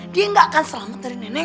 dia nggak akan selamat dari nenek